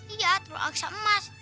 iya telur raksasa emas